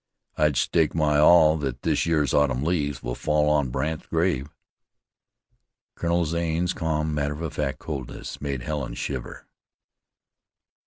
"I'd stake my all that this year's autumn leaves will fall on Brandt's grave." Colonel Zane's calm, matter of fact coldness made Helen shiver.